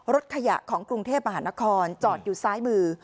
รถขยะของกรุงเทพมหานครจอดอยู่ซ้ายมือ